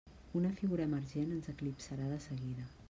Una figura emergent ens eclipsarà de seguida.